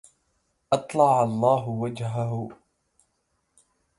أطلع الله وجه شهرِك هذا